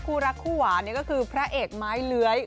คู่รักคู่หวานก็คือพระเอกไม้เลื้อย